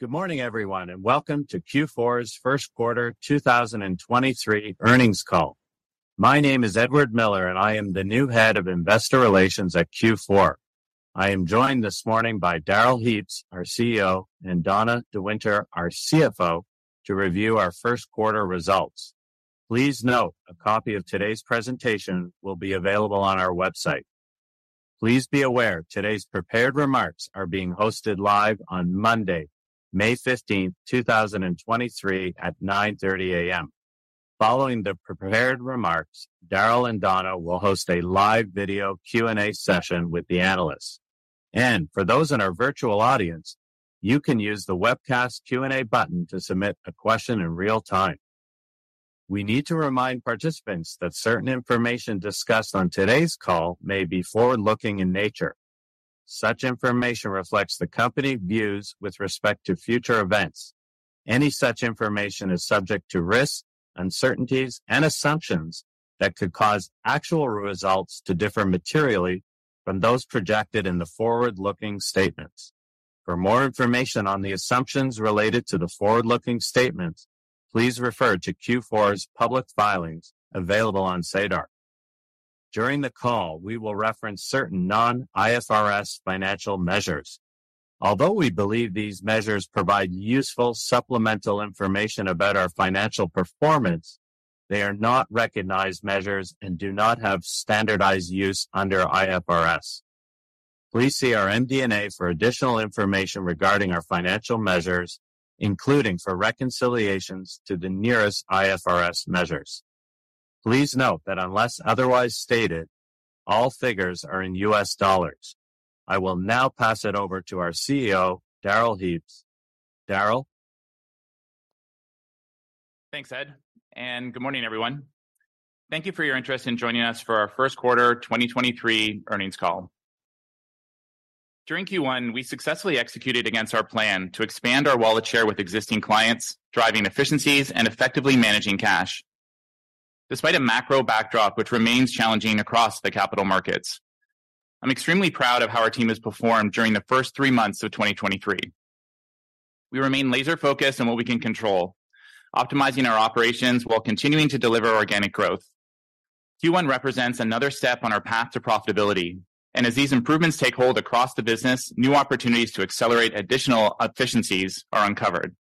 Good morning everyone, and welcome to Q4's first quarter 2023 earnings call. My name is Edward Miller, and I am the new Head of Investor Relations at Q4. I am joined this morning by Darrell Heaps, our CEO, and Donna de Winter, our CFO, to review our first quarter results. Please note a copy of today's presentation will be available on our website. Please be aware today's prepared remarks are being hosted live on Monday, May 15, 2023 at 9:30 A.M. Following the prepared remarks, Darrell and Donna will host a live video Q&A session with the analysts. For those in our virtual audience, you can use the webcast Q&A button to submit a question in real time. We need to remind participants that certain information discussed on today's call may be forward-looking in nature. Such information reflects the company views with respect to future events. Any such information is subject to risks, uncertainties and assumptions that could cause actual results to differ materially from those projected in the forward-looking statements. For more information on the assumptions related to the forward-looking statements, please refer to Q4's public filings available on SEDAR. During the call, we will reference certain non-IFRS financial measures. Although we believe these measures provide useful supplemental information about our financial performance, they are not recognized measures and do not have standardized use under IFRS. Please see our MD&A for additional information regarding our financial measures, including for reconciliations to the nearest IFRS measures. Please note that unless otherwise stated, all figures are in US dollars. I will now pass it over to our CEO, Darrell Heaps. Darrell? Thanks, Ed. Good morning everyone. Thank you for your interest in joining us for our first quarter 2023 earnings call. During Q1, we successfully executed against our plan to expand our wallet share with existing clients, driving efficiencies and effectively managing cash, despite a macro backdrop which remains challenging across the capital markets. I'm extremely proud of how our team has performed during the first three months of 2023. We remain laser-focused on what we can control, optimizing our operations while continuing to deliver organic growth. Q1 represents another step on our path to profitability. As these improvements take hold across the business, new opportunities to accelerate additional efficiencies are uncovered.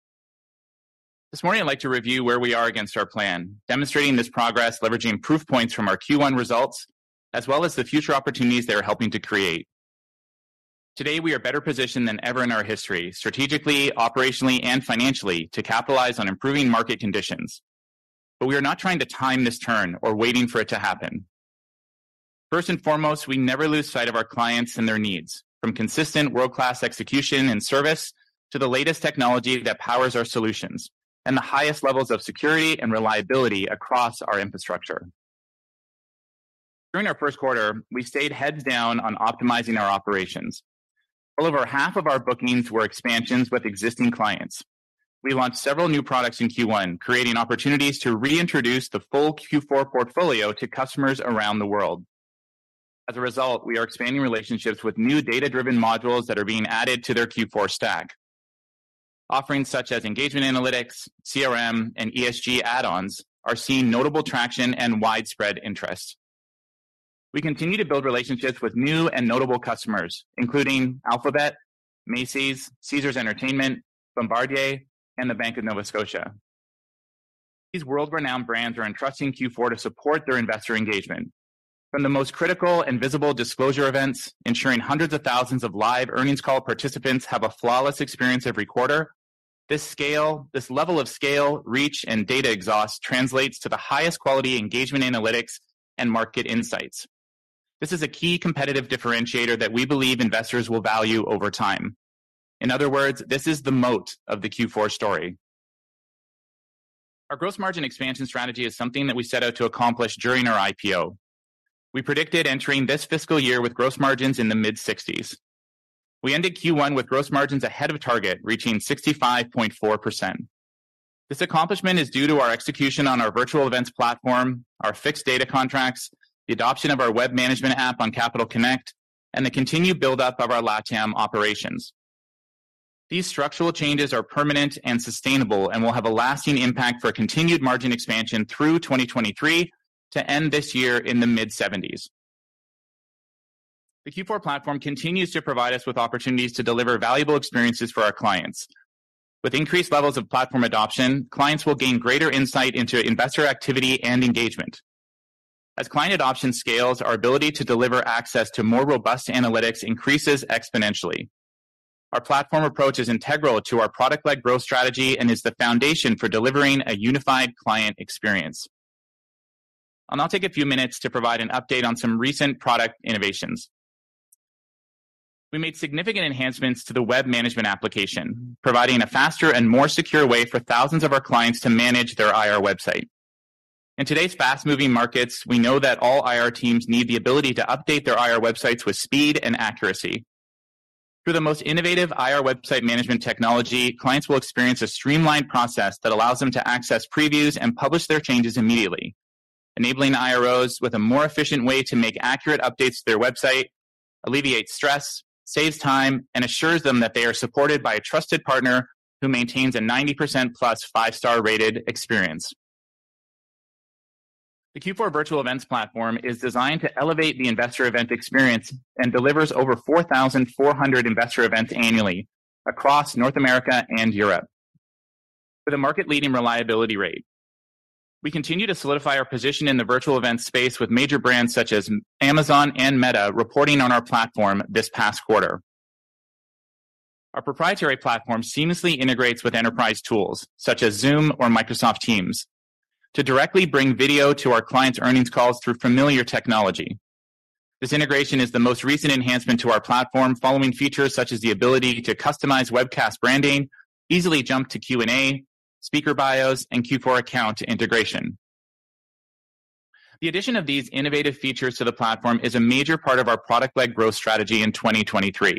This morning, I'd like to review where we are against our plan, demonstrating this progress, leveraging proof points from our Q1 results, as well as the future opportunities they are helping to create. Today, we are better positioned than ever in our history, strategically, operationally and financially to capitalize on improving market conditions. We are not trying to time this turn or waiting for it to happen. First and foremost, we never lose sight of our clients and their needs from consistent world-class execution and service to the latest technology that powers our solutions and the highest levels of security and reliability across our infrastructure. During our first quarter, we stayed heads down on optimizing our operations. Well over half of our bookings were expansions with existing clients. We launched several new products in Q1, creating opportunities to reintroduce the full Q4 portfolio to customers around the world. As a result, we are expanding relationships with new data-driven modules that are being added to their Q4 stack. Offerings such as Engagement Analytics, CRM, and ESG add-ons are seeing notable traction and widespread interest. We continue to build relationships with new and notable customers, including Alphabet, Macy's, Caesars Entertainment, Bombardier and The Bank of Nova Scotia. These world-renowned brands are entrusting Q4 to support their investor engagement. From the most critical and visible disclosure events, ensuring hundreds of thousands of live earnings call participants have a flawless experience every quarter, this level of scale, reach, and data exhaust translates to the highest quality Engagement Analytics and market insights. This is a key competitive differentiator that we believe investors will value over time. In other words, this is the moat of the Q4 story. Our gross margin expansion strategy is something that we set out to accomplish during our IPO. We predicted entering this fiscal year with gross margins in the mid-60s. We ended Q1 with gross margins ahead of target, reaching 65.4%. This accomplishment is due to our execution on our virtual events platform, our fixed data contracts, the adoption of our web management app on Capital Connect, and the continued buildup of our LATAM operations. These structural changes are permanent and sustainable and will have a lasting impact for continued margin expansion through 2023 to end this year in the mid-70s%. The Q4 platform continues to provide us with opportunities to deliver valuable experiences for our clients. With increased levels of platform adoption, clients will gain greater insight into investor activity and engagement. As client adoption scales, our ability to deliver access to more robust analytics increases exponentially. Our platform approach is integral to our product-led growth strategy and is the foundation for delivering a unified client experience. I'll now take a few minutes to provide an update on some recent product innovations. We made significant enhancements to the web management application, providing a faster and more secure way for thousands of our clients to manage their IR website. In today's fast-moving markets, we know that all IR teams need the ability to update their IR websites with speed and accuracy. Through the most innovative IR website management technology, clients will experience a streamlined process that allows them to access previews and publish their changes immediately. Enabling IROs with a more efficient way to make accurate updates to their website, alleviate stress, saves time, and assures them that they are supported by a trusted partner who maintains a 90%+ five-star rated experience. The Q4 virtual events platform is designed to elevate the investor event experience and delivers over 4,400 investor events annually across North America and Europe with a market-leading reliability rate. We continue to solidify our position in the virtual event space with major brands such as Amazon and Meta reporting on our platform this past quarter. Our proprietary platform seamlessly integrates with enterprise tools such as Zoom or Microsoft Teams to directly bring video to our clients' earnings calls through familiar technology. This integration is the most recent enhancement to our platform following features such as the ability to customize webcast branding, easily jump to Q&A, speaker bios, and Q4 account integration. The addition of these innovative features to the platform is a major part of our product-led growth strategy in 2023.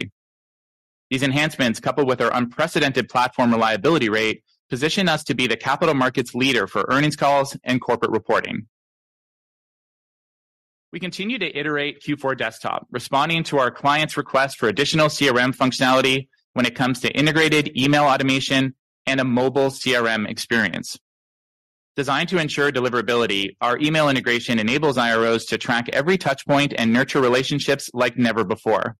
These enhancements, coupled with our unprecedented platform reliability rate, position us to be the capital markets leader for earnings calls and corporate reporting. We continue to iterate Q4 Desktop, responding to our clients' request for additional CRM functionality when it comes to integrated email automation and a mobile CRM experience. Designed to ensure deliverability, our email integration enables IROs to track every touch point and nurture relationships like never before.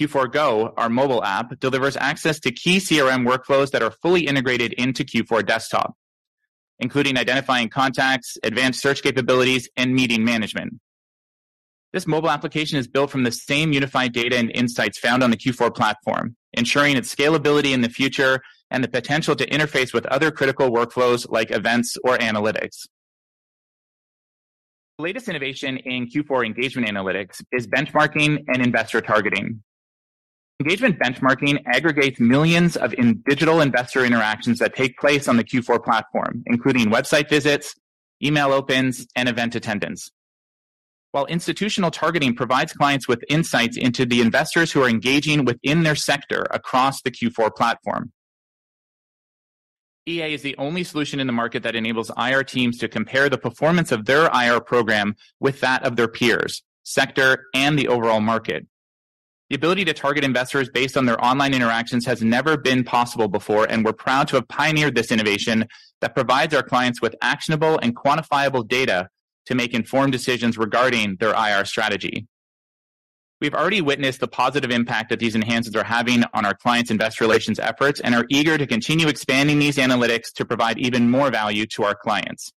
Q4 Go, our mobile app, delivers access to key CRM workflows that are fully integrated into Q4 Desktop, including identifying contacts, advanced search capabilities, and meeting management. This mobile application is built from the same unified data and insights found on the Q4 platform, ensuring its scalability in the future and the potential to interface with other critical workflows like events or analytics. The latest innovation in Q4 Engagement Analytics is benchmarking and investor targeting. Engagement benchmarking aggregates millions of in-digital investor interactions that take place on the Q4 platform, including website visits, email opens, and event attendance. Institutional targeting provides clients with insights into the investors who are engaging within their sector across the Q4 platform. EA is the only solution in the market that enables IR teams to compare the performance of their IR program with that of their peers, sector, and the overall market. The ability to target investors based on their online interactions has never been possible before. We're proud to have pioneered this innovation that provides our clients with actionable and quantifiable data to make informed decisions regarding their IR strategy. We've already witnessed the positive impact that these enhancements are having on our clients' investor relations efforts and are eager to continue expanding these analytics to provide even more value to our clients.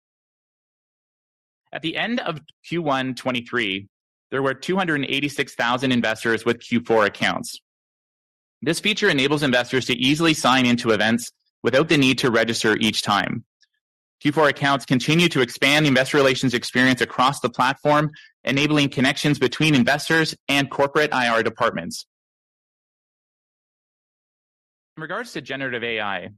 At the end of Q1 2023, there were 286,000 investors with Q4 accounts. This feature enables investors to easily sign into events without the need to register each time. Q4 accounts continue to expand the investor relations experience across the platform, enabling connections between investors and corporate IR departments. In regards to generative AI,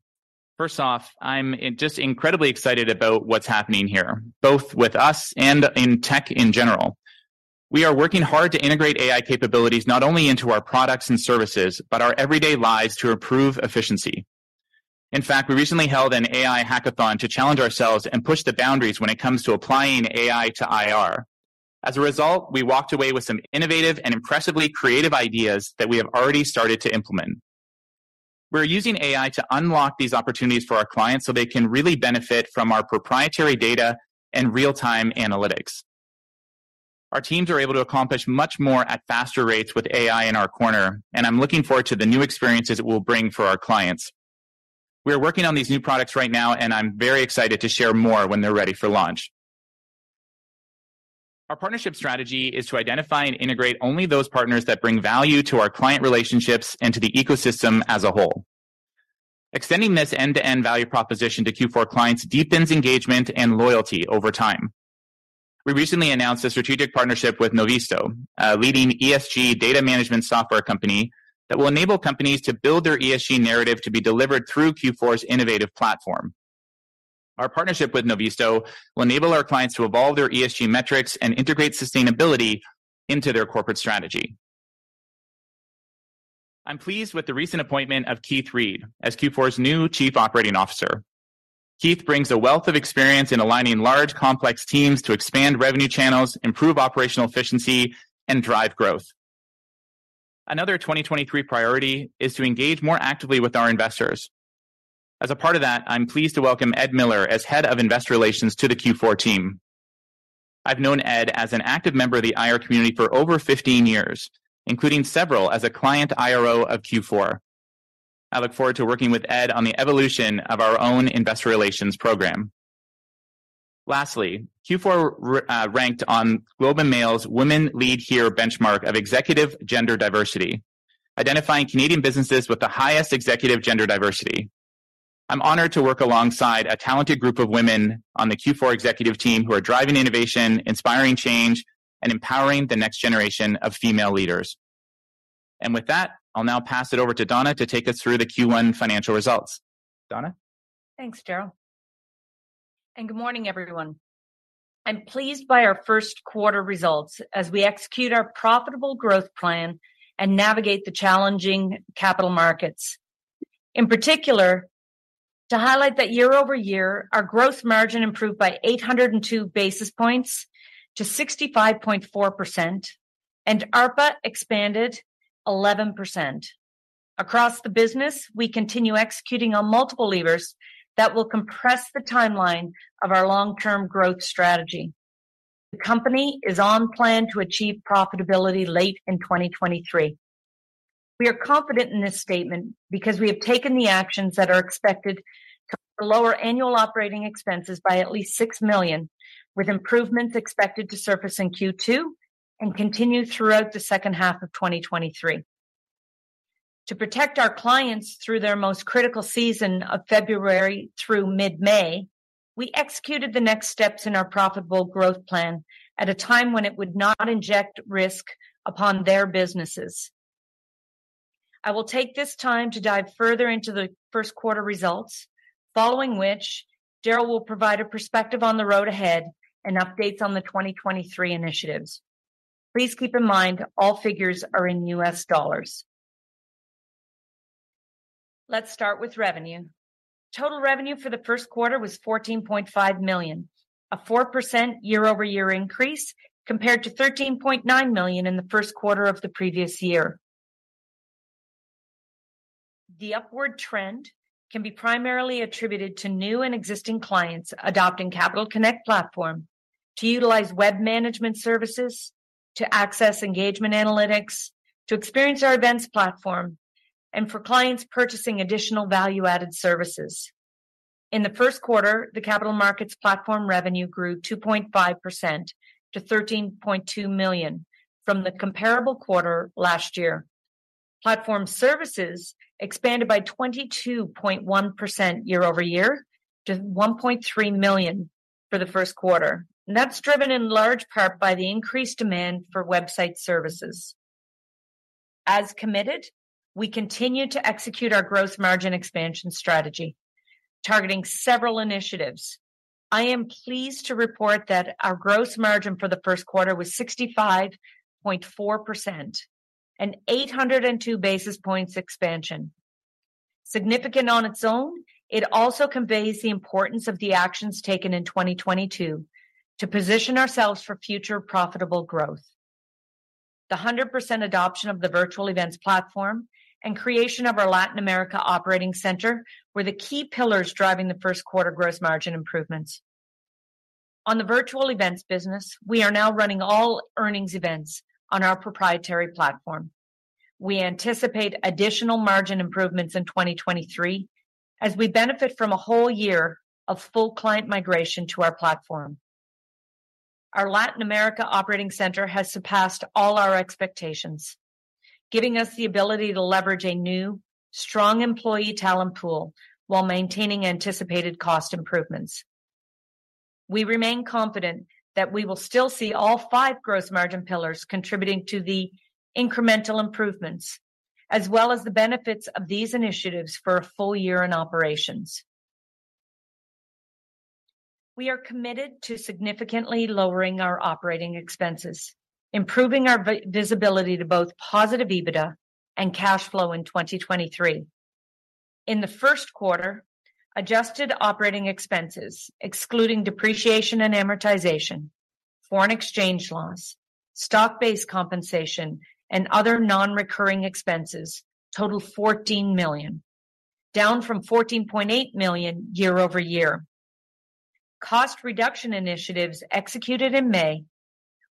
first off, I'm just incredibly excited about what's happening here, both with us and in tech in general. We are working hard to integrate AI capabilities not only into our products and services, but our everyday lives to improve efficiency. In fact, we recently held an AI hackathon to challenge ourselves and push the boundaries when it comes to applying AI to IR. As a result, we walked away with some innovative and impressively creative ideas that we have already started to implement. We're using AI to unlock these opportunities for our clients so they can really benefit from our proprietary data and real-time analytics. Our teams are able to accomplish much more at faster rates with AI in our corner, and I'm looking forward to the new experiences it will bring for our clients. We are working on these new products right now, and I'm very excited to share more when they're ready for launch. Our partnership strategy is to identify and integrate only those partners that bring value to our client relationships and to the ecosystem as a whole. Extending this end-to-end value proposition to Q4 clients deepens engagement and loyalty over time. We recently announced a strategic partnership with Novisto, a leading ESG data management software company that will enable companies to build their ESG narrative to be delivered through Q4's innovative platform. Our partnership with Novisto will enable our clients to evolve their ESG metrics and integrate sustainability into their corporate strategy. I'm pleased with the recent appointment of Keith Reed as Q4's new Chief Operating Officer. Keith brings a wealth of experience in aligning large, complex teams to expand revenue channels, improve operational efficiency, and drive growth. Another 2023 priority is to engage more actively with our investors. As a part of that, I'm pleased to welcome Ed Miller as Head of Investor Relations to the Q4 team. I've known Ed as an active member of the IR community for over 15 years, including several as a client IRO of Q4. I look forward to working with Ed on the evolution of our own investor relations program. Lastly, Q4 ranked on The Globe and Mail's Women Lead Here benchmark of executive gender diversity, identifying Canadian businesses with the highest executive gender diversity. I'm honored to work alongside a talented group of women on the Q4 executive team who are driving innovation, inspiring change, and empowering the next generation of female leaders. With that, I'll now pass it over to Donna to take us through the Q1 financial results. Donna? Thanks, Darrell. Good morning, everyone. I'm pleased by our first quarter results as we execute our profitable growth plan and navigate the challenging capital markets. In particular, to highlight that year-over-year, our growth margin improved by 802 basis points to 65.4% and ARPA expanded 11%. Across the business, we continue executing on multiple levers that will compress the timeline of our long-term growth strategy. The company is on plan to achieve profitability late in 2023. We are confident in this statement because we have taken the actions that are expected to lower annual operating expenses by at least $6 million, with improvements expected to surface in Q2 and continue throughout the second half of 2023. To protect our clients through their most critical season of February through mid-May, we executed the next steps in our profitable growth plan at a time when it would not inject risk upon their businesses. I will take this time to dive further into the first quarter results, following which Darrell will provide a perspective on the road ahead and updates on the 2023 initiatives. Please keep in mind all figures are in US dollars. Let's start with revenue. Total revenue for the first quarter was $14.5 million, a 4% year-over-year increase compared to $13.9 million in the first quarter of the previous year. The upward trend can be primarily attributed to new and existing clients adopting Q4 Capital Connect platform to utilize web management services, to access Q4 Engagement Analytics, to experience our events platform, and for clients purchasing additional value-added services. In the first quarter, the capital markets platform revenue grew 2.5% to $13.2 million from the comparable quarter last year. Platform services expanded by 22.1% year-over-year to $1.3 million for the first quarter. That's driven in large part by the increased demand for website services. As committed, we continue to execute our growth margin expansion strategy, targeting several initiatives. I am pleased to report that our gross margin for the first quarter was 65.4%, an 802 basis points expansion. Significant on its own, it also conveys the importance of the actions taken in 2022 to position ourselves for future profitable growth. The 100% adoption of the virtual events platform and creation of our Latin America operating center were the key pillars driving the first quarter gross margin improvements. On the virtual events business, we are now running all earnings events on our proprietary platform. We anticipate additional margin improvements in 2023 as we benefit from a whole year of full client migration to our platform. Our Latin America operating center has surpassed all our expectations, giving us the ability to leverage a new, strong employee talent pool while maintaining anticipated cost improvements. We remain confident that we will still see all five gross margin pillars contributing to the incremental improvements, as well as the benefits of these initiatives for a full year in operations. We are committed to significantly lowering our operating expenses, improving our visibility to both positive EBITDA and cash flow in 2023. In the first quarter, adjusted operating expenses, excluding depreciation and amortization, foreign exchange loss, stock-based compensation, and other non-recurring expenses, total $14 million, down from $14.8 million year-over-year. Cost reduction initiatives executed in May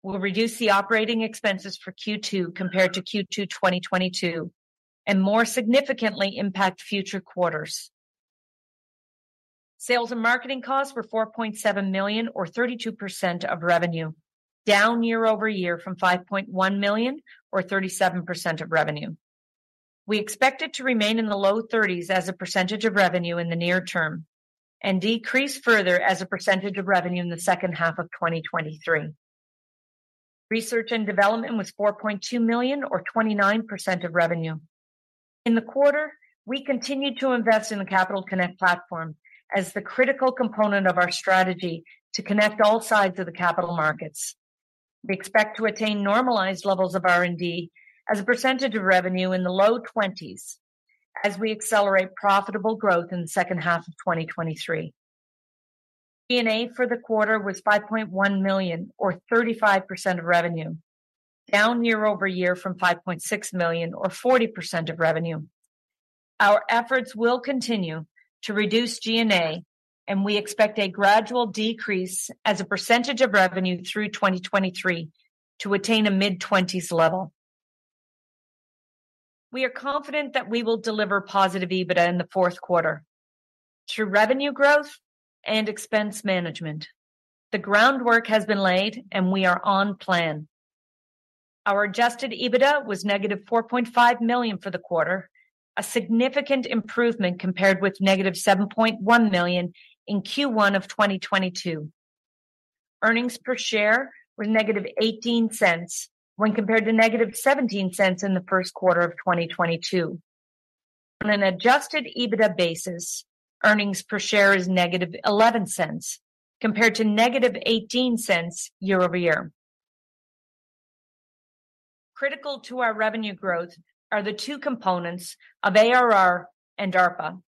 will reduce the operating expenses for Q2 compared to Q2 2022, and more significantly impact future quarters. Sales and marketing costs were $4.7 million or 32% of revenue, down year-over-year from $5.1 million or 37% of revenue. We expect it to remain in the low 30s as a percentage of revenue in the near term and decrease further as a percentage of revenue in the second half of 2023. Research and development was $4.2 million or 29% of revenue. In the quarter, we continued to invest in the Q4 Capital Connect platform as the critical component of our strategy to connect all sides of the capital markets. We expect to attain normalized levels of R&D as a percentage of revenue in the low 20s as we accelerate profitable growth in the second half of 2023. G&A for the quarter was $5.1 million or 35% of revenue, down year-over-year from $5.6 million or 40% of revenue. Our efforts will continue to reduce G&A, and we expect a gradual decrease as a percentage of revenue through 2023 to attain a mid-20s level. We are confident that we will deliver positive EBITDA in the fourth quarter through revenue growth and expense management. The groundwork has been laid and we are on plan. Our Adjusted EBITDA was negative $4.5 million for the quarter, a significant improvement compared with negative $7.1 million in Q1 of 2022. Earnings per share were negative $0.18 when compared to negative $0.17 in the first quarter of 2022. On an Adjusted EBITDA basis, earnings per share is negative $0.11 compared to negative $0.18 year-over-year. Critical to our revenue growth are the two components of ARR and ARPA.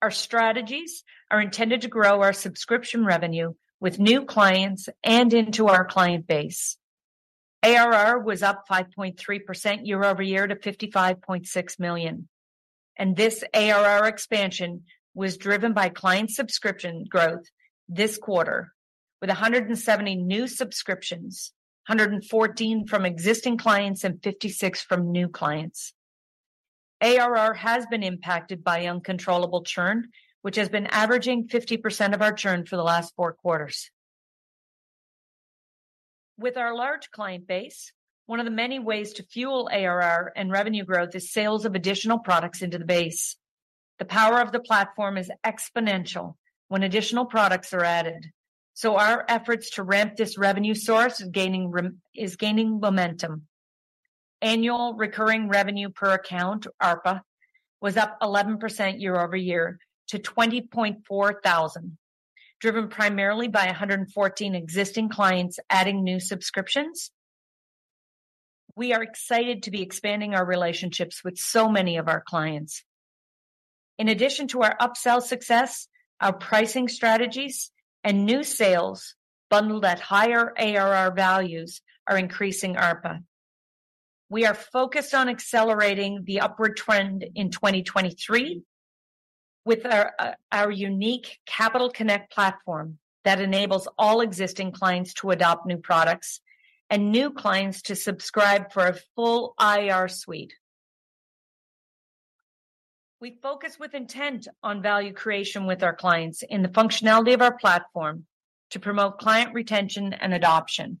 Our strategies are intended to grow our subscription revenue with new clients and into our client base. ARR was up 5.3% year-over-year to $55.6 million. This ARR expansion was driven by client subscription growth this quarter, with 170 new subscriptions, 114 from existing clients and 56 from new clients. ARR has been impacted by uncontrollable churn, which has been averaging 50% of our churn for the last four quarters. With our large client base, one of the many ways to fuel ARR and revenue growth is sales of additional products into the base. The power of the platform is exponential when additional products are added. Our efforts to ramp this revenue source is gaining momentum. Annual recurring revenue per account, ARPA, was up 11% year-over-year to $20.4 thousand, driven primarily by 114 existing clients adding new subscriptions. We are excited to be expanding our relationships with so many of our clients. In addition to our upsell success, our pricing strategies and new sales bundled at higher ARR values are increasing ARPA. We are focused on accelerating the upward trend in 2023 with our unique Capital Connect platform that enables all existing clients to adopt new products and new clients to subscribe for a full IR suite. We focus with intent on value creation with our clients in the functionality of our platform to promote client retention and adoption.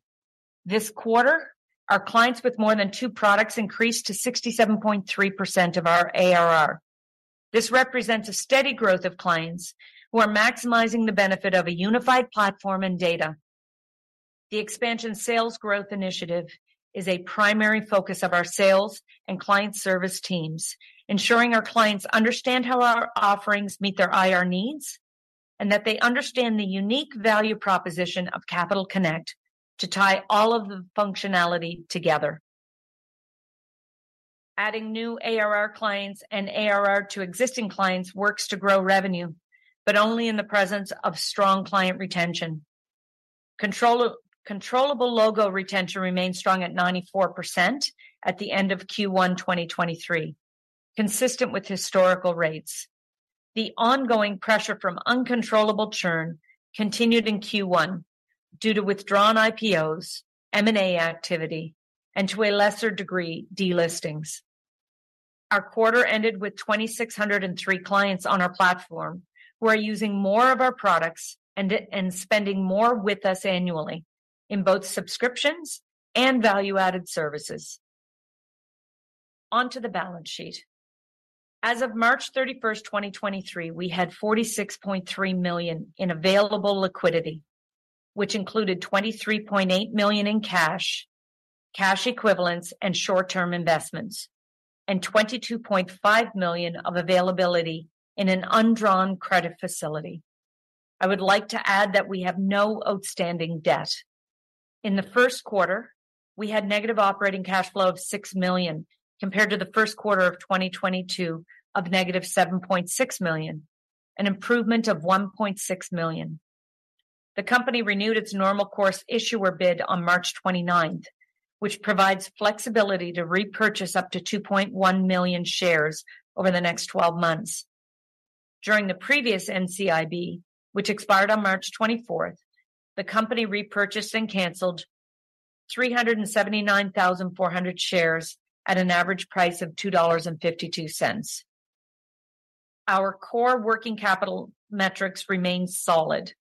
This quarter, our clients with more than two products increased to 67.3% of our ARR. This represents a steady growth of clients who are maximizing the benefit of a unified platform and data. The expansion sales growth initiative is a primary focus of our sales and client service teams, ensuring our clients understand how our offerings meet their IR needs, and that they understand the unique value proposition of Capital Connect to tie all of the functionality together. Adding new ARR clients and ARR to existing clients works to grow revenue, but only in the presence of strong client retention. Control-controllable logo retention remains strong at 94% at the end of Q1 2023, consistent with historical rates. The ongoing pressure from uncontrollable churn continued in Q1 due to withdrawn IPOs, M&A activity, and to a lesser degree, delistings. Our quarter ended with 2,603 clients on our platform who are using more of our products and spending more with us annually in both subscriptions and value-added services. Onto the balance sheet. As of March 31st, 2023, we had $46.3 million in available liquidity, which included $23.8 million in cash equivalents, and short-term investments, and $22.5 million of availability in an undrawn credit facility. I would like to add that we have no outstanding debt. In the first quarter, we had negative operating cash flow of $6 million, compared to the first quarter of 2022 of negative $7.6 million, an improvement of $1.6 million. The company renewed its Normal Course Issuer Bid on March 29th, which provides flexibility to repurchase up to 2.1 million shares over the next 12 months. During the previous NCIB, which expired on March 24th, the company repurchased and canceled 379,400 shares at an average price of $2.52. Our core working capital metrics remain solid,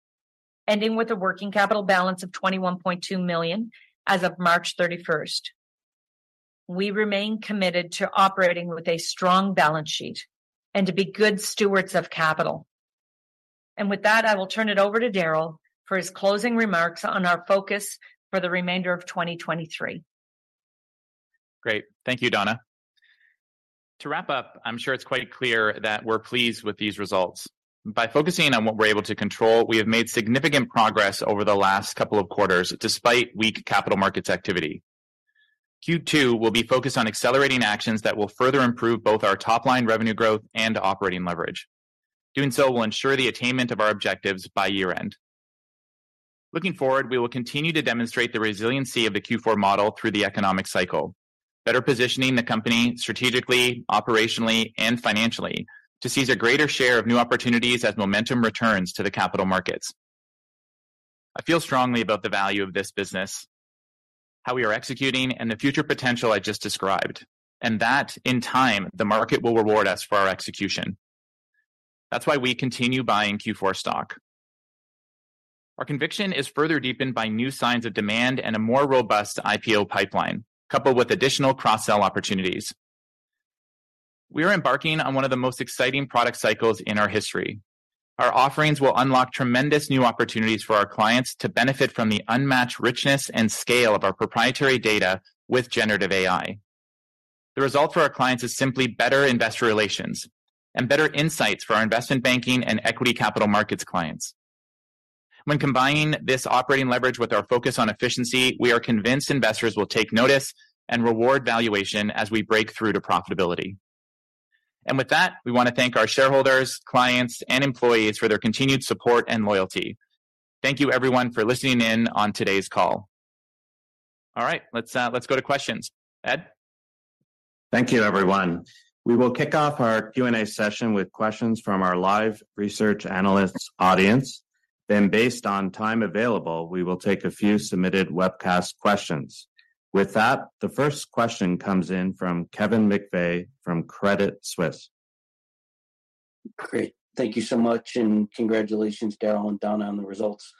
ending with a working capital balance of $21.2 million as of March 31st. We remain committed to operating with a strong balance sheet and to be good stewards of capital. With that, I will turn it over to Darrell for his closing remarks on our focus for the remainder of 2023. Great. Thank you, Donna. To wrap up, I'm sure it's quite clear that we're pleased with these results. By focusing on what we're able to control, we have made significant progress over the last couple of quarters, despite weak capital markets activity. Q2 will be focused on accelerating actions that will further improve both our top-line revenue growth and operating leverage. Doing so will ensure the attainment of our objectives by year-end. Looking forward, we will continue to demonstrate the resiliency of the Q4 model through the economic cycle, better positioning the company strategically, operationally, and financially to seize a greater share of new opportunities as momentum returns to the capital markets. I feel strongly about the value of this business, how we are executing, and the future potential I just described, and that in time, the market will reward us for our execution. That's why we continue buying Q4 stock. Our conviction is further deepened by new signs of demand and a more robust IPO pipeline, coupled with additional cross-sell opportunities. We are embarking on one of the most exciting product cycles in our history. Our offerings will unlock tremendous new opportunities for our clients to benefit from the unmatched richness and scale of our proprietary data with generative AI. The result for our clients is simply better investor relations and better insights for our investment banking and equity capital markets clients. Combining this operating leverage with our focus on efficiency, we are convinced investors will take notice and reward valuation as we break through to profitability. With that, we wanna thank our shareholders, clients, and employees for their continued support and loyalty. Thank you everyone for listening in on today's call. All right, let's go to questions. Ed? Thank you, everyone. We will kick off our Q&A session with questions from our live research analysts audience. Based on time available, we will take a few submitted webcast questions. The first question comes in from Kevin McVeigh from Credit Suisse. Great. Thank you so much, and congratulations Darrell and Donna on the results.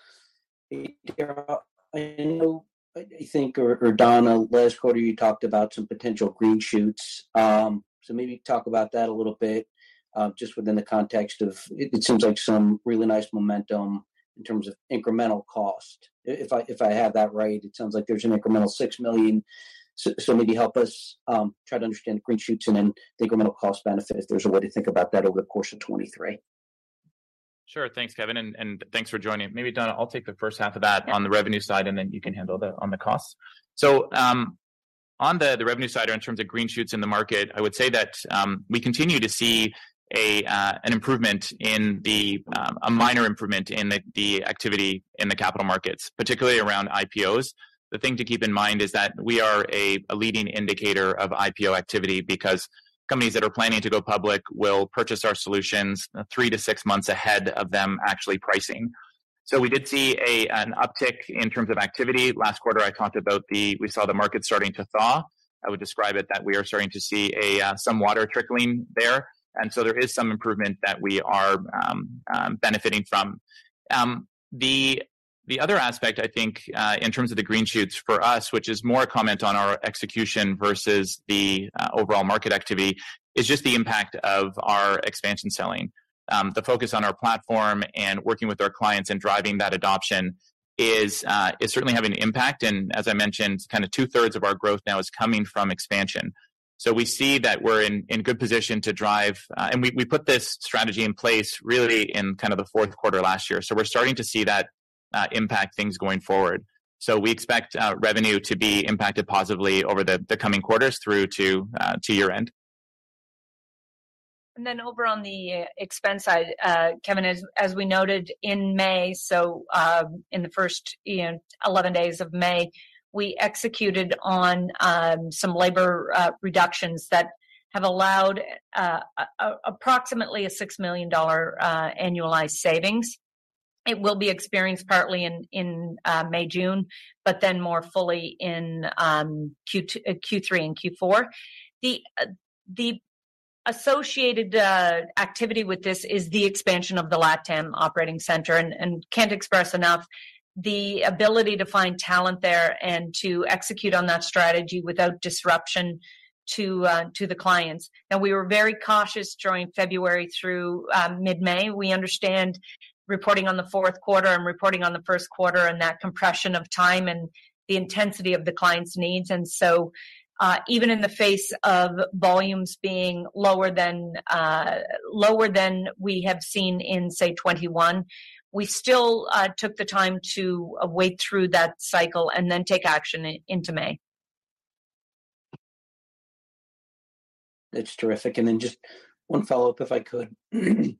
Hey, Darrell, I know I think, or Donna, last quarter you talked about some potential green shoots. Maybe talk about that a little bit, just within the context of it seems like some really nice momentum in terms of incremental cost. If I have that right, it sounds like there's an incremental $6 million. Maybe help us try to understand green shoots and then the incremental cost benefit if there's a way to think about that over the course of 2023. Sure. Thanks, Kevin. Thanks for joining. Maybe, Donna, I'll take the first half of that on the revenue side, and then you can handle on the costs. On the revenue side or in terms of green shoots in the market, I would say that we continue to see an improvement in the minor improvement in the activity in the capital markets, particularly around IPOs. The thing to keep in mind is that we are a leading indicator of IPO activity because companies that are planning to go public will purchase our solutions 3 to 6 months ahead of them actually pricing. We did see an uptick in terms of activity. Last quarter, I talked about we saw the market starting to thaw. I would describe it that we are starting to see some water trickling there. There is some improvement that we are benefiting from. The other aspect, I think, in terms of the green shoots for us, which is more a comment on our execution versus the overall market activity, is just the impact of our expansion selling. The focus on our platform and working with our clients and driving that adoption is certainly having an impact. As I mentioned, kind of two-thirds of our growth now is coming from expansion. We see that we're in good position to drive. We put this strategy in place really in kind of the fourth quarter last year. We're starting to see that impact things going forward. We expect revenue to be impacted positively over the coming quarters through to year-end. Over on the expense side, Kevin, as we noted in May. In the first, you know, 11 days of May, we executed on some labor reductions that have allowed approximately a $6 million annualized savings. It will be experienced partly in May, June, but then more fully in Q2, Q3 and Q4. The associated activity with this is the expansion of the LATAM operating center, and can't express enough the ability to find talent there and to execute on that strategy without disruption to the clients. We were very cautious during February through mid-May. We understand reporting on the fourth quarter and reporting on the first quarter and that compression of time and the intensity of the clients' needs. Even in the face of volumes being lower than we have seen in, say, 2021, we still took the time to wait through that cycle and then take action into May. That's terrific. Just one follow-up if I could. Is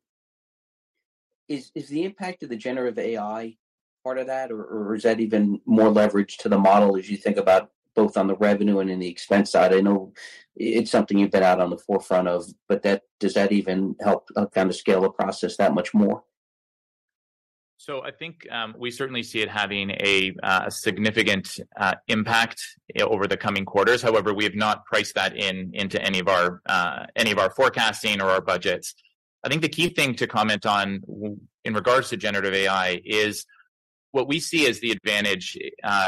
the impact of the generative AI part of that, or is that even more leverage to the model as you think about both on the revenue and in the expense side? I know it's something you've been out on the forefront of, but does that even help kinda scale the process that much more? I think we certainly see it having a significant impact over the coming quarters. However, we have not priced that in into any of our forecasting or our budgets. I think the key thing to comment on in regards to generative AI is what we see as the advantage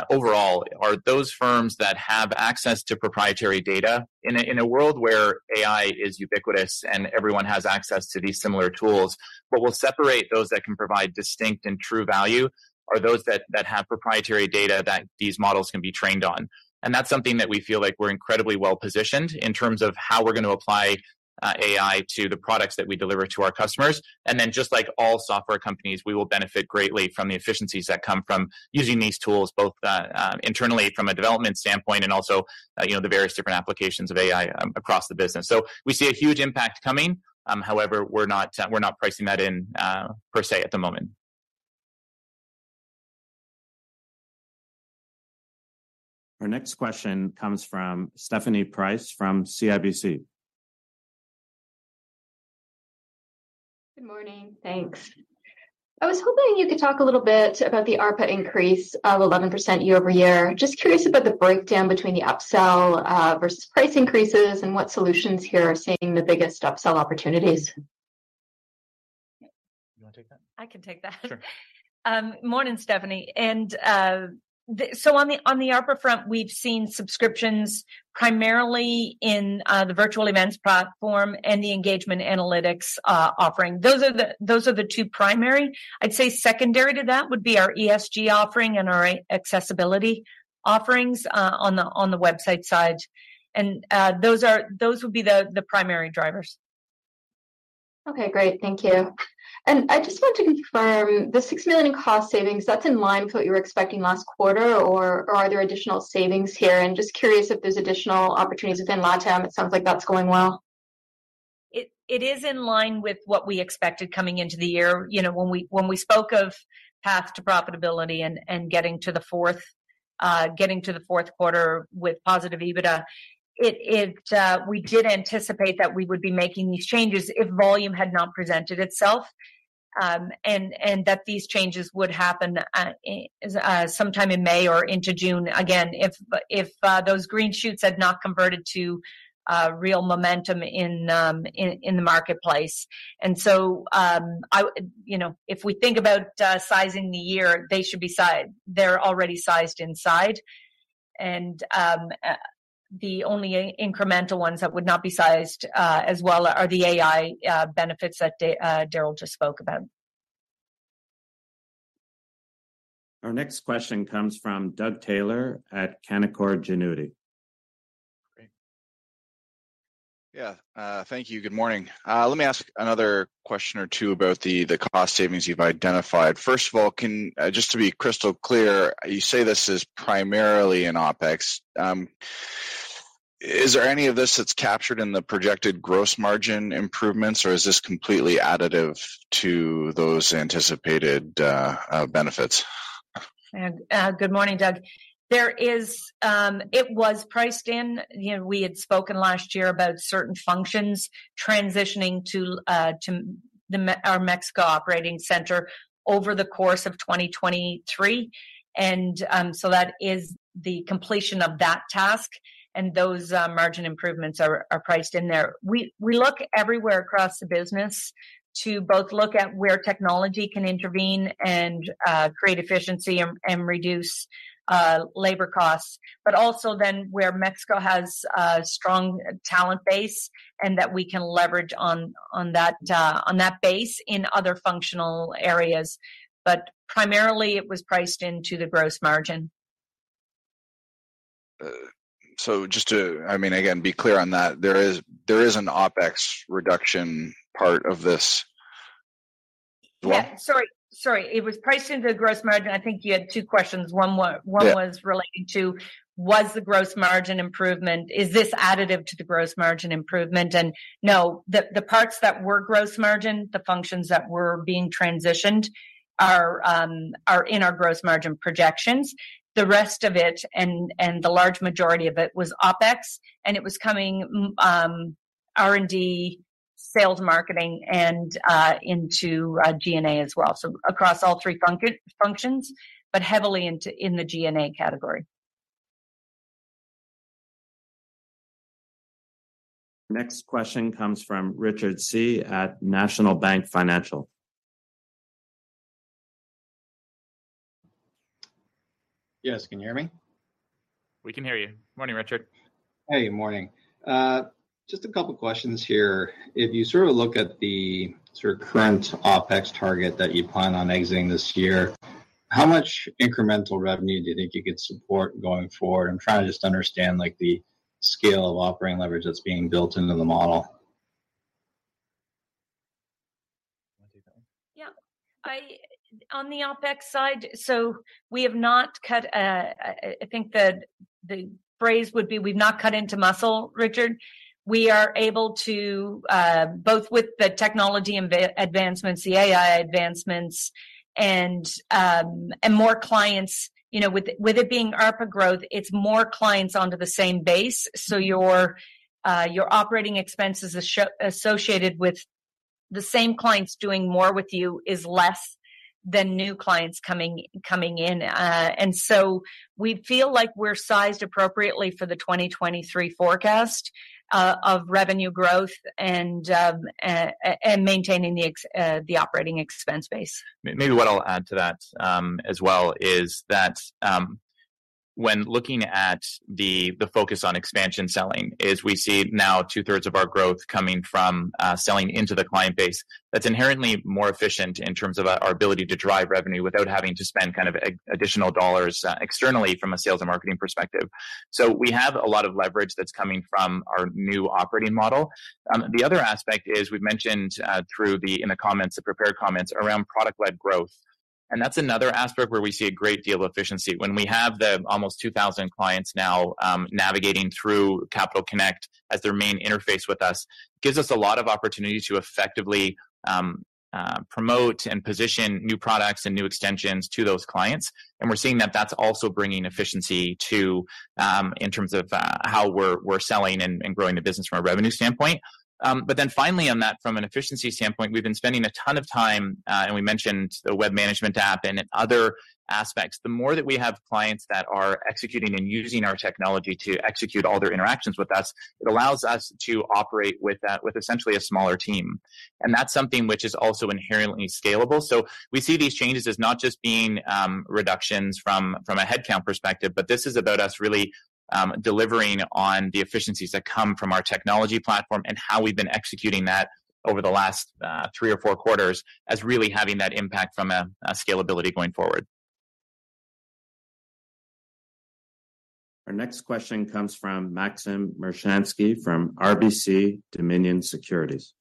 overall are those firms that have access to proprietary data in a world where AI is ubiquitous and everyone has access to these similar tools. What will separate those that can provide distinct and true value are those that have proprietary data that these models can be trained on. That's something that we feel like we're incredibly well-positioned in terms of how we're gonna apply AI to the products that we deliver to our customers. Just like all software companies, we will benefit greatly from the efficiencies that come from using these tools, both internally from a development standpoint and also, you know, the various different applications of AI across the business. We see a huge impact coming, however, we're not pricing that in per se at the moment. Our next question comes from Stephanie Price from CIBC. Good morning. Thanks. I was hoping you could talk a little bit about the ARPA increase of 11% year-over-year. Just curious about the breakdown between the upsell versus price increases and what solutions here are seeing the biggest upsell opportunities. You wanna take that? I can take that. Sure. Morning, Stephanie. The, so on the, on the ARPA front, we've seen subscriptions primarily in, the virtual events platform and the engagement analytics, offering. Those are the, those are the two primary. I'd say secondary to that would be our ESG offering and our accessibility offerings, on the, on the website side. Those are, those would be the primary drivers. Okay, great. Thank you. I just want to confirm the $6 million in cost savings, that's in line with what you were expecting last quarter or are there additional savings here? I'm just curious if there's additional opportunities within Latam. It sounds like that's going well. It is in line with what we expected coming into the year. You know, when we spoke of path to profitability and getting to the fourth quarter with positive EBITDA, it we did anticipate that we would be making these changes if volume had not presented itself. And that these changes would happen sometime in May or into June, again, if those green shoots had not converted to real momentum in the marketplace. You know, if we think about sizing the year, they should be sized. They're already sized inside. The only incremental ones that would not be sized as well are the AI benefits that Darrell just spoke about. Our next question comes from Doug Taylor at Canaccord Genuity. Great. Yeah. Thank you. Good morning. Let me ask another question or two about the cost savings you've identified. First of all, just to be crystal clear, you say this is primarily in OpEx. Is there any of this that's captured in the projected gross margin improvements, or is this completely additive to those anticipated benefits? Good morning, Doug. It was priced in. You know, we had spoken last year about certain functions transitioning to our Mexico operating center over the course of 2023. So that is the completion of that task, and those margin improvements are priced in there. We look everywhere across the business to both look at where technology can intervene and create efficiency and reduce labor costs, but also then where Mexico has a strong talent base and that we can leverage on that base in other functional areas. Primarily it was priced into the gross margin. Just to, I mean, again, be clear on that, there is an OpEx reduction part of this as well? Yeah. Sorry. It was priced into the gross margin. I think you had two questions. Yeah. One was relating to was the gross margin improvement. Is this additive to the gross margin improvement? No, the parts that were gross margin, the functions that were being transitioned are in our gross margin projections. The rest of it and the large majority of it was OpEx, and it was coming, R&D, sales marketing, and into G&A as well. Across all three functions, but heavily in the G&A category. Next question comes from Richard Tse at National Bank Financial. Yes. Can you hear me? We can hear you. Morning, Richard. Hey. Morning. Just a couple questions here. If you sort of look at the sort of current OpEx target that you plan on exiting this year, how much incremental revenue do you think you could support going forward? I'm trying to just understand, like, the scale of operating leverage that's being built into the model. Want to take that one? Yeah. On the OpEx side, I think the phrase would be we've not cut into muscle, Richard. We are able to, both with the technology advancements, the AI advancements and more clients, you know, with it being ARPA growth, it's more clients onto the same base. Your operating expenses associated with the same clients doing more with you is less than new clients coming in. We feel like we're sized appropriately for the 2023 forecast of revenue growth and maintaining the operating expense base. Maybe what I'll add to that as well is that when looking at the focus on expansion selling is we see now two-thirds of our growth coming from selling into the client base. That's inherently more efficient in terms of our ability to drive revenue without having to spend kind of additional dollars externally from a sales and marketing perspective. We have a lot of leverage that's coming from our new operating model. The other aspect is we've mentioned in the comments, the prepared comments around product-led growth, that's another aspect where we see a great deal of efficiency. When we have the almost 2,000 clients now, navigating through Capital Connect as their main interface with us, gives us a lot of opportunity to effectively promote and position new products and new extensions to those clients. We're seeing that that's also bringing efficiency to, in terms of, how we're selling and growing the business from a revenue standpoint. Finally on that, from an efficiency standpoint, we've been spending a ton of time, and we mentioned the web management app and other aspects. The more that we have clients that are executing and using our technology to execute all their interactions with us, it allows us to operate with that, with essentially a smaller team. That's something which is also inherently scalable. We see these changes as not just being reductions from a headcount perspective, but this is about us really delivering on the efficiencies that come from our technology platform and how we've been executing that over the last three or four quarters as really having that impact from a scalability going forward. Our next question comes from Maxim Matushansky from RBC Dominion Securities.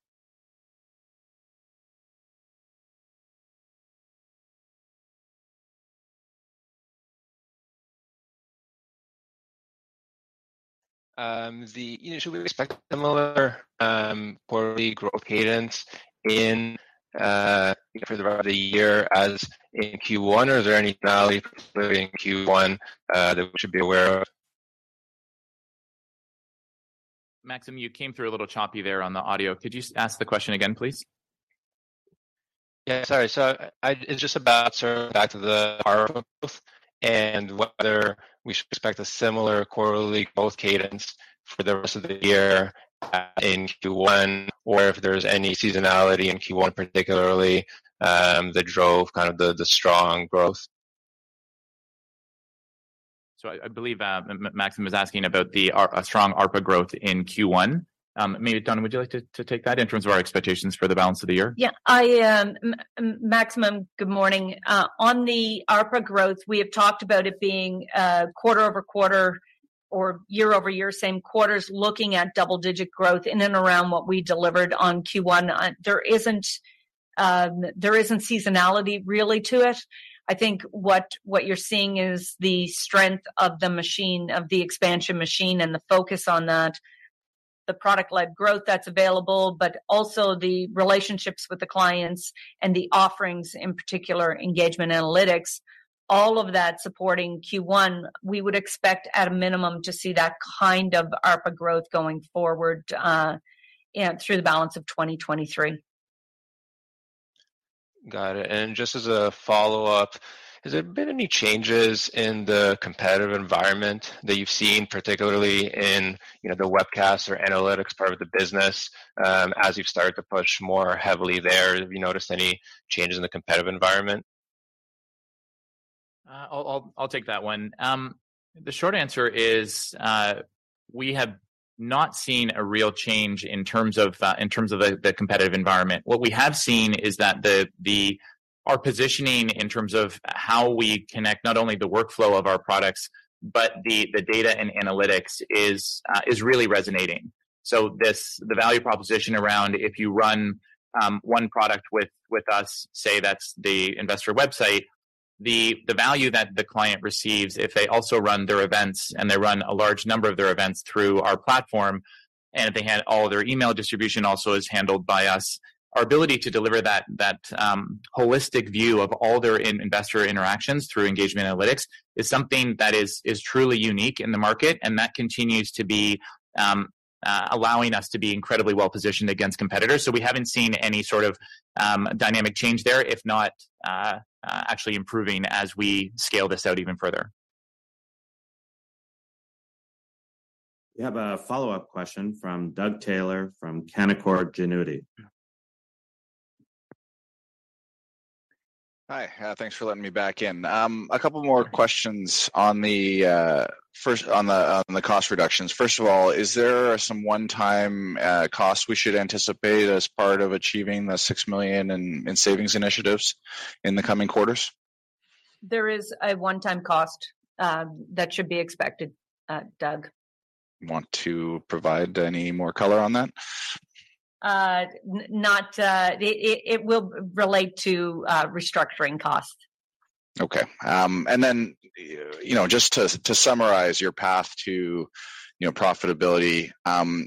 Should we expect similar quarterly growth cadence in for the rest of the year as in Q1, or is there any seasonality in Q1 that we should be aware of? Maxim, you came through a little choppy there on the audio. Could you just ask the question again, please? Yeah, sorry. It's just about sort of back to the power bills and whether we should expect a similar quarterly growth cadence for the rest of the year as in Q1, or if there's any seasonality in Q1 particularly, that drove kind of the strong growth. I believe Maxim was asking about a strong ARPA growth in Q1. Maybe Donna, would you like to take that in terms of our expectations for the balance of the year? Yeah, I, Maxim, good morning. On the ARPA growth, we have talked about it being quarter-over-quarter or year-over-year, same quarters, looking at double-digit growth in and around what we delivered on Q1. There isn't seasonality really to it. I think what you're seeing is the strength of the machine, of the expansion machine and the focus on that, the product-led growth that's available, but also the relationships with the clients and the offerings, in particular, engagement analytics, all of that supporting Q1. We would expect at a minimum to see that kind of ARPA growth going forward and through the balance of 2023. Got it. Just as a follow-up, has there been any changes in the competitive environment that you've seen, particularly in, you know, the webcast or analytics part of the business? As you've started to push more heavily there, have you noticed any changes in the competitive environment? I'll take that one. The short answer is, we have not seen a real change in terms of the competitive environment. What we have seen is that our positioning in terms of how we connect not only the workflow of our products, but the data and analytics is really resonating. The value proposition around if you run one product with us, say, that's the investor website, the value that the client receives if they also run their events and they run a large number of their events through our platform, and if they had all their email distribution also is handled by us, our ability to deliver that holistic view of all their investor interactions through Engagement Analytics is something that is truly unique in the market. That continues to be allowing us to be incredibly well-positioned against competitors. We haven't seen any sort of dynamic change there, if not actually improving as we scale this out even further. We have a follow-up question from Doug Taylor from Canaccord Genuity. Hi, thanks for letting me back in. A couple more questions first on the cost reductions. First of all, is there some one-time cost we should anticipate as part of achieving the $6 million in savings initiatives in the coming quarters? There is a one-time cost, that should be expected, Doug. Want to provide any more color on that? not It will relate to restructuring costs. Okay. you know, just to summarize your path to, you know, profitability,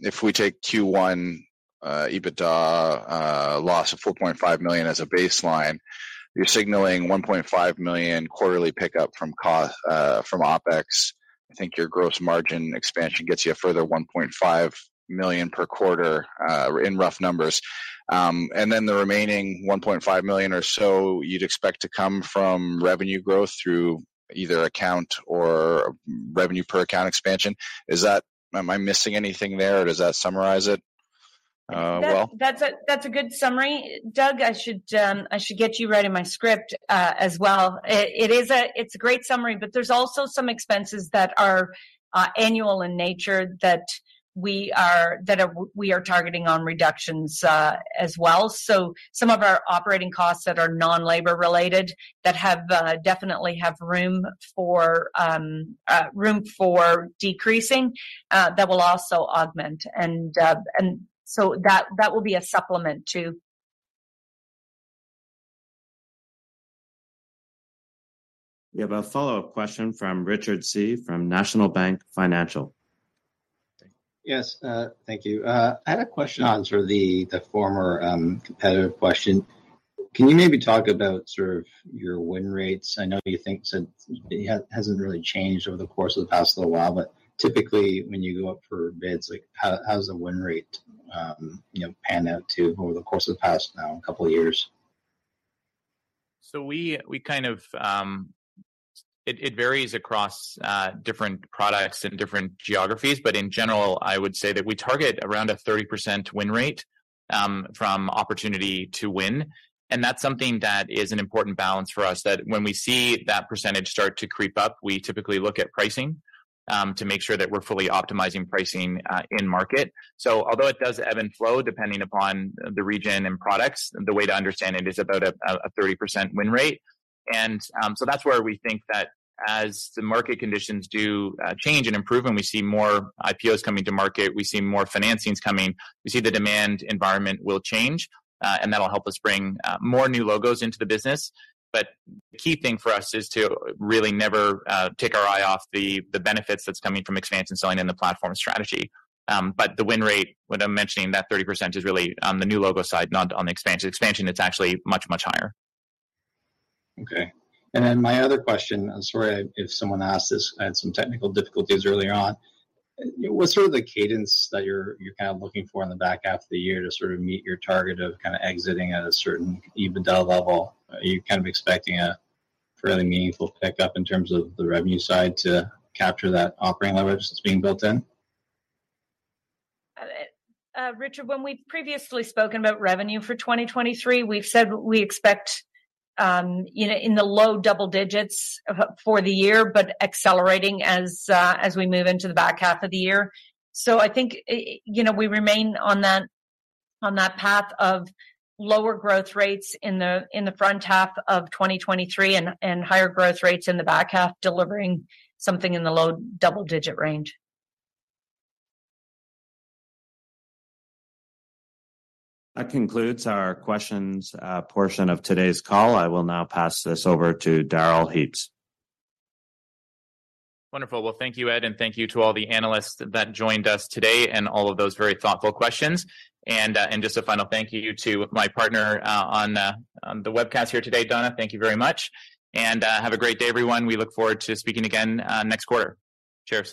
if we take Q1 EBITDA loss of $4.5 million as a baseline, you're signaling $1.5 million quarterly pickup from cost, from OpEx. I think your gross margin expansion gets you a further $1.5 million per quarter, in rough numbers. the remaining $1.5 million or so you'd expect to come from revenue growth through either account or revenue per account expansion. Is that? Am I missing anything there? Does that summarize it well? That's a good summary. Doug, I should get you writing my script as well. It's a great summary, but there's also some expenses that are annual in nature that we are targeting on reductions as well. Some of our operating costs that are non-labor related that definitely have room for decreasing that will also augment. That will be a supplement to. We have a follow-up question from Richard Tse from National Bank Financial. Yes, thank you. I had a question on sort of the former, competitive question. Can you maybe talk about sort of your win rates? I know you think it hasn't really changed over the course of the past little while, but typically when you go up for bids, like how's the win rate, you know, panned out to over the course of the past couple of years? It varies across different products and different geographies. In general, I would say that we target around a 30% win rate from opportunity to win. That's something that is an important balance for us, that when we see that percentage start to creep up, we typically look at pricing to make sure that we're fully optimizing pricing in market. Although it does ebb and flow depending upon the region and products, the way to understand it is about a 30% win rate. That's where we think that as the market conditions do change and improve, and we see more IPOs coming to market, we see more financings coming, we see the demand environment will change, and that'll help us bring more new logos into the business. The key thing for us is to really never take our eye off the benefits that's coming from expansion selling and the platform strategy. The win rate, what I'm mentioning, that 30% is really on the new logo side, not on the expansion. Expansion, it's actually much higher. Okay. My other question, and sorry if someone asked this, I had some technical difficulties earlier on. What's sort of the cadence that you're kind of looking for in the back half of the year to sort of meet your target of kind of exiting at a certain EBITDA level? Are you kind of expecting a fairly meaningful pickup in terms of the revenue side to capture that operating leverage that's being built in? Richard, when we've previously spoken about revenue for 2023, we've said we expect, you know, in the low double digits for the year but accelerating as we move into the back half of the year. I think, you know, we remain on that, on that path of lower growth rates in the, in the front half of 2023 and higher growth rates in the back half, delivering something in the low double-digit range. That concludes our questions, portion of today's call. I will now pass this over to Darrell Heaps. Wonderful. Well, thank you, Ed, and thank you to all the analysts that joined us today and all of those very thoughtful questions. Just a final thank you to my partner on the webcast here today, Donna. Thank you very much. Have a great day, everyone. We look forward to speaking again next quarter. Cheers.